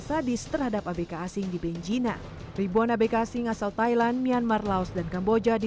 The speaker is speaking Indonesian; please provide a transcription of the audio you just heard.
sadis terhadap abk asing di benjina ribuan abk asing asal thailand myanmar laos dan kamboja di